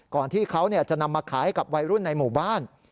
ที่เขาจะนำมาขายให้กับวัยรุ่นในหมู่บ้าน